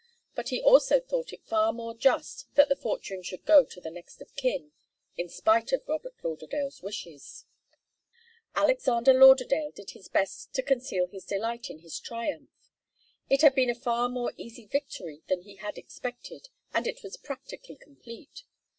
But he also thought it far more just that the fortune should go to the next of kin, in spite of Robert Lauderdale's wishes. Alexander Lauderdale did his best to conceal his delight in his triumph. It had been a far more easy victory than he had expected, and it was practically complete.